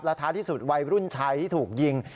ท้ายที่สุดวัยรุ่นชายที่ถูกยิง